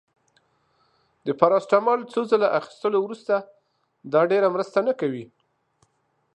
د پاراسټامول څو ځله اخیستلو وروسته، دا ډیره مرسته نه کوي.